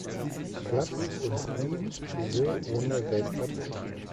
Platz und blieb so ohne Weltcup-Punkte.